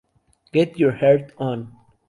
Get Your Heart On!